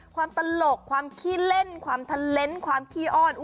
ตลกความขี้เล่นความทันเลนส์ความขี้อ้อน